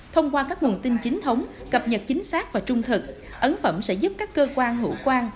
thông qua các nguồn tin chính thống cập nhật chính xác và trung thực ấn phẩm sẽ giúp các cơ quan hữu quan